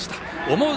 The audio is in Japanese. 思う